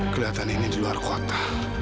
kelihatan ini di luar kota